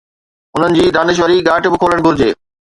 انهن جي دانشوري ڳاٽ به کولڻ گهرجي.